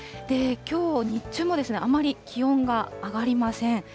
きょう日中も、あまり気温が上がりません。